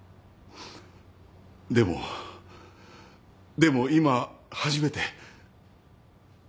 でもでも今初めて。